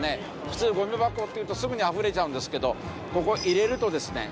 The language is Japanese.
普通ゴミ箱っていうとすぐにあふれちゃうんですけどここ入れるとですね